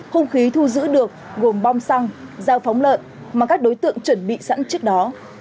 hung khí thu giữ được gồm bom xăng dao phóng lợn mà các đối tượng chuẩn bị sẵn trước đó